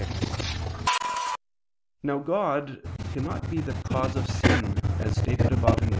Now God cannot be the cause of sin, as stated above (Q.